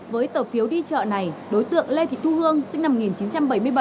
với tờ phiếu đi chợ này đối tượng lê thị thu hương sinh năm một nghìn chín trăm bảy mươi bảy